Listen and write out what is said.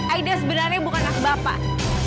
aida sebenarnya bukan anak bapak